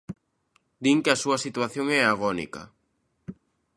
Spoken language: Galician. Din que a súa situación é agónica.